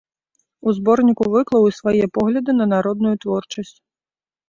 У зборніку выклаў і свае погляды на народную творчасць.